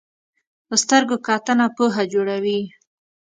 په سترګو کتنه پوهه جوړوي